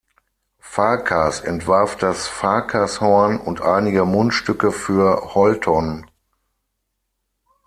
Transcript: Farkas entwarf das "Farkas-Horn" und einige Mundstücke für Holton.